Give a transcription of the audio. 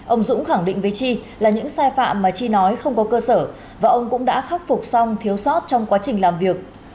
ông dũng khẳng định với chi là những sai phạm mà chi nói không có cơ sở và ông cũng đã khắc phục xong thiếu sót trong quá trình làm việc